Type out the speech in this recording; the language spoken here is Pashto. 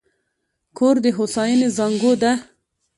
کور د هوساینې زانګو ده.